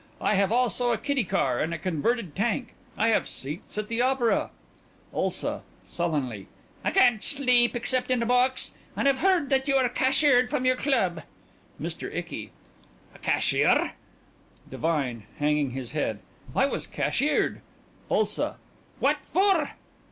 I have also a kiddy car and a converted tank. I have seats at the opera ULSA: (Sullenly) I can't sleep except in a box. And I've heard that you were cashiered from your club. MR. ICKY: A cashier? ... DIVINE: (Hanging his head) I was cashiered. ULSA: What for?